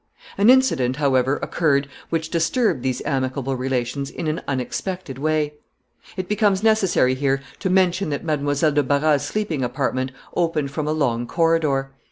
An incident, however, occurred, which disturbed these amicable relations in an unexpected way. It becomes necessary here to mention that Mademoiselle de Barras's sleeping apartment opened from a long corridor.